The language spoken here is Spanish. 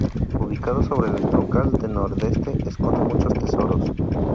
Ubicado sobre la troncal del Nordeste, esconde muchos tesoros.